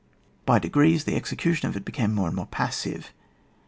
By degrees the execution of it became more and more passive.